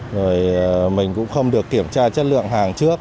rồi mình cũng không được kiểm tra chất lượng hàng trước